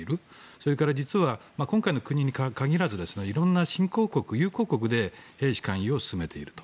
それから実は今回の国に限らず色んな新興国、友好国で兵士勧誘を進めていると。